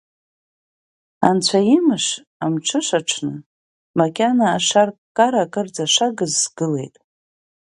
Анцәа имыш амҽышаҽны, макьана ашарккара акырӡа шагыз сгылеит.